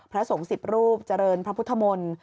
พระสงฆ์๑๐รูปเจริญพระพุทธมนตร์